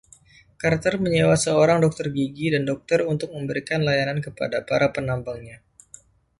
Carter menyewa seorang dokter gigi dan dokter untuk memberikan layanan kepada para penambangnya.